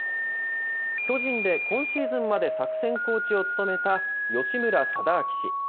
巨人で今シーズンまで作戦コーチを務めた吉村禎章氏。